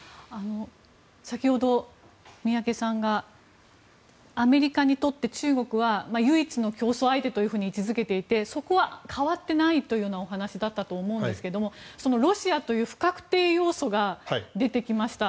先ほど、宮家さんがアメリカにとって中国は唯一の競争相手と位置付けていてそこは変わっていないというお話だったと思うんですがロシアという不確定要素が出てきました。